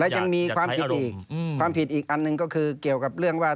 ยังมีความผิดอีกความผิดอีกอันหนึ่งก็คือเกี่ยวกับเรื่องว่า